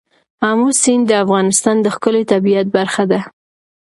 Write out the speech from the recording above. آمو سیند د افغانستان د ښکلي طبیعت برخه ده.